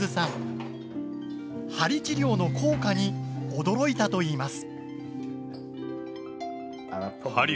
鍼治療の効果に驚いたといいます。